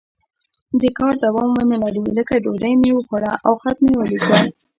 د کار دوام ونه لري لکه ډوډۍ مې وخوړه او خط مې ولیکه.